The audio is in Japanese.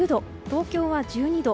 東京は１２度。